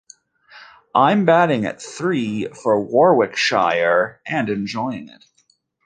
I'm batting at three for Warwickshire and enjoying it.